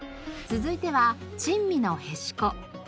続いては珍味のへしこ。